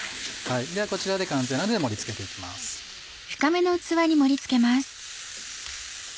ではこちらで完成なので盛り付けて行きます。